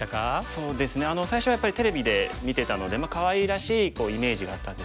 そうですね最初はやっぱりテレビで見てたのでかわいらしいイメージがあったんですけれども。